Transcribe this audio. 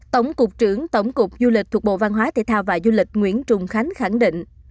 tổng cục trưởng tổng cục du lịch thuộc bộ văn hóa thể thao và du lịch nguyễn trùng khánh khẳng định